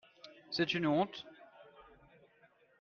c'est une honte.